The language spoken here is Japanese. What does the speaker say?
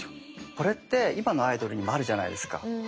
これって今のアイドルにもあるじゃないですか。